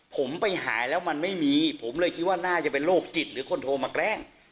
ผมไปหายแล้วมันไม่มีผมเลยคิดว่าน่าจะเป็นโรคจิตหรือคนโทรมาแกล้ง